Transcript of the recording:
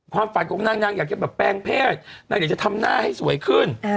ความฝันของนางนางอยากจะแบบแปลงเพศนางอยากจะทำหน้าให้สวยขึ้น